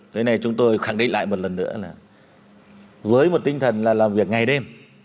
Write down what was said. thế này chúng tôi khẳng định lại một lần nữa là với một tinh thần là làm việc ngày đêm